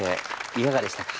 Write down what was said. いかがでしたか？